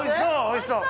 おいしそう！